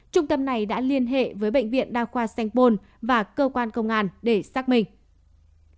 trung tâm này đã liên hệ với bệnh viện đao khoa sengpon và cơ quan công an để xác minh